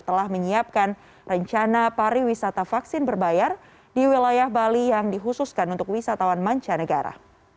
telah menyiapkan rencana pariwisata vaksin berbayar di wilayah bali yang dikhususkan untuk wisatawan mancanegara